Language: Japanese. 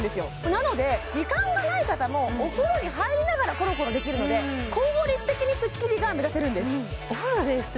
なので時間がない方もお風呂に入りながらコロコロできるので効率的にスッキリが目指せるんです